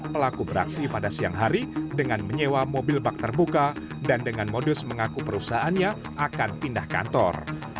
pelaku beraksi pada siang hari dengan menyewa mobil bak terbuka dan dengan modus mengaku perusahaannya akan pindah kantor